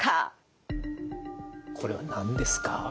これは何ですか？